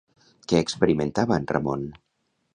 Què experimentava en Ramon?